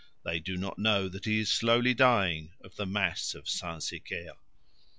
They do not know that he is slowly dying of the Mass of Saint Sécaire.